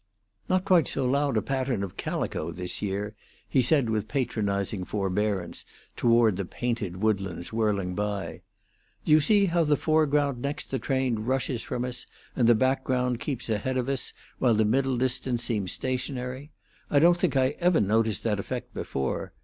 "Not quite so loud a pattern of calico this year," he said, with patronizing forbearance toward the painted woodlands whirling by. "Do you see how the foreground next the train rushes from us and the background keeps ahead of us, while the middle distance seems stationary? I don't think I ever noticed that effect before.